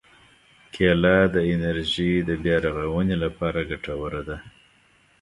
کېله د انرژي د بیا رغونې لپاره ګټوره ده.